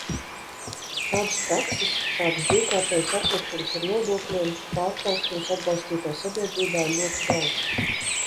Šādas prakses, šādas divkārtējas aplikšanas ar nodokļiem, pārtraukšanas atbalstītāju sabiedrībā ir ļoti daudz.